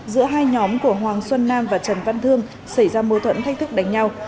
giữa hai nhóm của hoàng xuân nam và trần văn thương xảy ra mâu thuẫn thách thức đánh nhau